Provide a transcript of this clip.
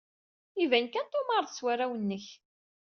Iban kan tumared s warraw-nnek.